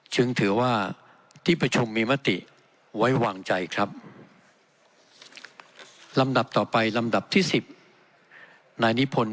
จึงถือว่าที่ประชุมมีมติไว้วางใจครับลำดับต่อไปลำดับที่สิบนายนิพนธ์